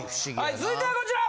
続いてはこちら！